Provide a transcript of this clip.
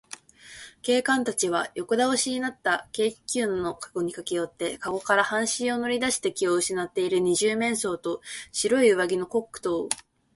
警官たちは横だおしになった軽気球のかごにかけよって、かごから半身を乗りだして気をうしなっている二十面相と、白い上着のコックとを、